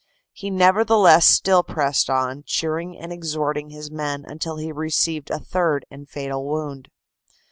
He nevertheless still pressed on, cheering and exhorting his men, until he received a third and fatal wound.